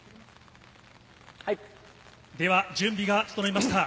では準備が整いました。